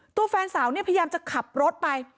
ตัวแฟนสาวพยายามจะขับรถไป